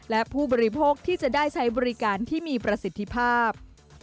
และผู้บริโภคที่จะได้ใช้บริการที่มีประสิทธิภาพ